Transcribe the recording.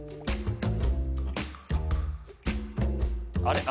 あれ？